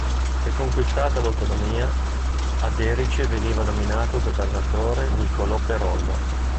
Riconquistata l’autonomia, ad Erice veniva nominato governatore Niccolò Perollo.